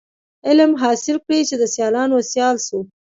علم حاصل کړی چي د سیالانو سیال سو.